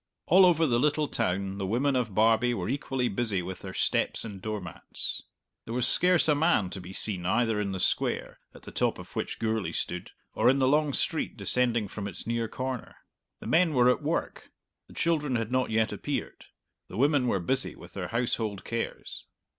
All over the little town the women of Barbie were equally busy with their steps and door mats. There was scarce a man to be seen either in the Square, at the top of which Gourlay stood, or in the long street descending from its near corner. The men were at work; the children had not yet appeared; the women were busy with their household cares.